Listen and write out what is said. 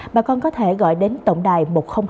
bà con có thể gọi đến tổng đài một nghìn hai mươi hai